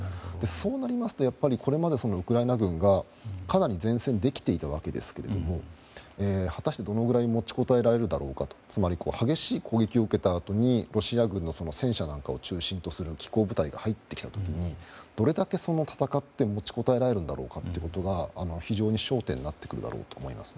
そうなりますと、これまでウクライナ軍がかなり善戦できていたわけですけれども果たしてどのくらい持ちこたえられるだろうかつまり、激しい攻撃を受けたあとにロシア軍の戦車などを中心とする部隊が入ってきた時に、どれだけ戦って持ちこたえられるんだろうかということが非常に焦点になってくると思います。